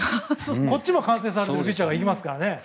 こっちも完成されているピッチャーがいますからね。